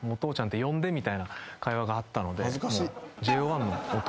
みたいな会話があったので。